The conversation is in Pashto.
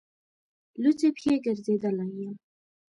لوڅې پښې ګرځېدلی یم.